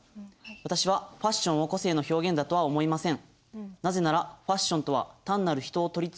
私は、ファッションを個性の表現だとは思いません」。